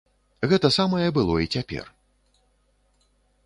Гэта самае было і цяпер.